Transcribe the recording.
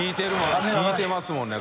佑引いてますもんね